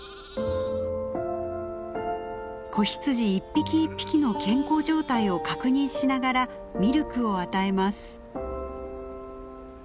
子羊一匹一匹の健康状態を確認しながらミルクを与えます。